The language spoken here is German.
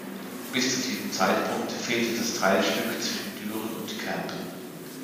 Bis zu diesem Zeitpunkt fehlte das Teilstück zwischen Düren und Kerpen.